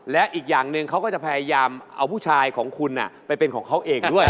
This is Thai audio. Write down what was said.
และอีกอย่างหนึ่งเขาก็จะพยายามเอาผู้ชายของคุณไปเป็นของเขาเองด้วย